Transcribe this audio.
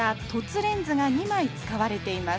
レンズが２枚使われています。